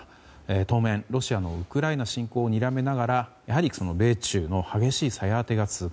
当面、ロシアのウクライナ侵攻をにらみながら米中の激しいさや当てが続く